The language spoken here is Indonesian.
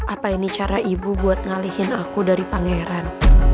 apa ini cara ibu buat ngalihin aku dari pangeran